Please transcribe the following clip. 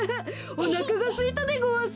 おなかがすいたでごわす。